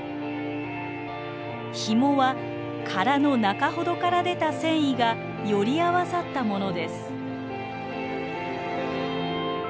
ヒモは殻の中ほどから出た繊維がより合わさったものです。